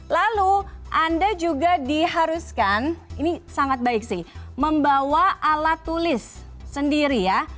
lalu anda juga diharuskan ini sangat baik sih membawa alat tulis sendiri ya